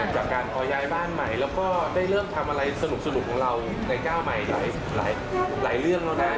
จากการพอย้ายบ้านใหม่แล้วก็ได้เริ่มทำอะไรสนุกของเราในก้าวใหม่หลายเรื่องแล้วนะ